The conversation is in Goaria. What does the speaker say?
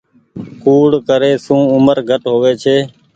ڪوڙي ڪري سون اومر گھٽ هووي ڇي۔